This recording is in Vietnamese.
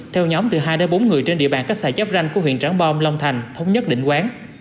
theo nhóm từ hai đến bốn người trên địa bàn cách xài chấp ranh của huyện tráng bom long thành thống nhất định quán